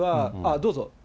どうぞ。